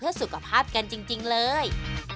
เป็นสุขภาพอย่างเดียวเลย